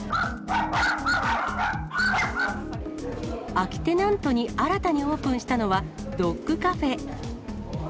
空きテナントに新たにオープンしたのは、ドッグカフェ。